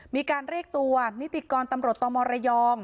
มีการเรียกตัวนิติกรตำรวจตมระยอง